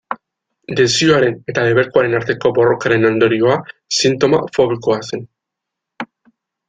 Desioaren eta debekuaren arteko borrokaren ondorioa sintoma fobikoa zen.